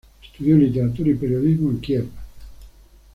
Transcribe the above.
Estudió literatura y periodismo en Kiev.